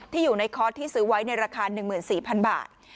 อยู่ในคอร์สที่ซื้อไว้ในราคา๑๔๐๐๐บาท